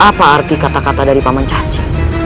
apa arti kata kata dari pak mencaci